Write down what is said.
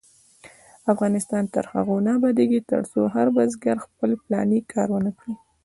افغانستان تر هغو نه ابادیږي، ترڅو هر بزګر خپل پلاني کار ونکړي.